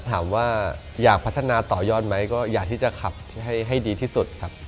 ถามว่าอยากพัฒนาต่อยอดไหมก็อยากที่จะขับให้ดีที่สุดครับ